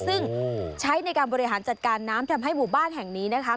ซึ่งใช้ในการบริหารจัดการน้ำทำให้หมู่บ้านแห่งนี้นะคะ